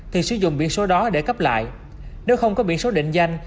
thì sử dụng biển số đó để cấp lại nếu không có biển số định danh